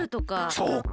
そうか。